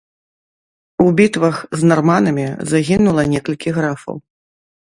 У бітвах з нарманамі загінула некалькі графаў.